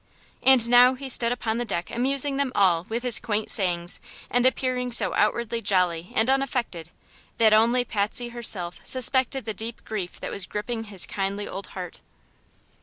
And now he stood upon the deck amusing them all with his quaint sayings and appearing so outwardly jolly and unaffected that only Patsy herself suspected the deep grief that was gripping his kindly old heart.